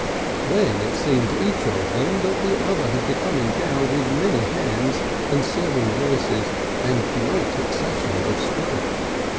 Then it seemed to each of them that the other had become endowed with many hands and several voices and great accessions of strength.